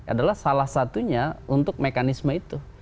adalah salah satunya untuk mekanisme itu